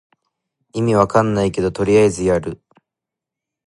意味わかんないけどとりあえずやる